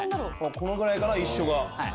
このぐらいかな一緒が。